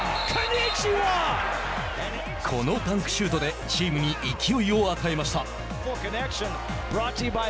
このダンクシュートでチームに勢いを与えました。